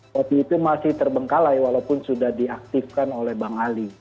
kopi itu masih terbengkalai walaupun sudah diaktifkan oleh bang ali